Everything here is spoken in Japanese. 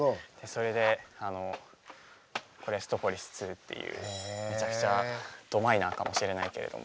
それで「エストポリスⅡ」っていうめちゃくちゃどマイナーかもしれないけれども。